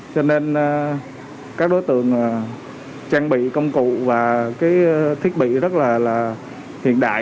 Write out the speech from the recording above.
cho nên các đối tượng trang bị công cụ và thiết bị rất là hiện đại